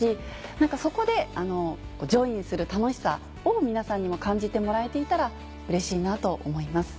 そこでジョインする楽しさを皆さんにも感じてもらえていたらうれしいなと思います。